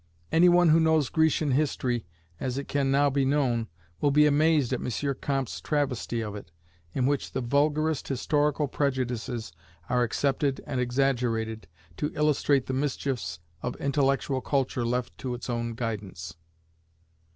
Any one who knows Grecian history as it can now be known, will be amazed at M. Comte's travestie of it, in which the vulgarest historical prejudices are accepted and exaggerated, to illustrate the mischiefs of intellectual culture left to its own guidance.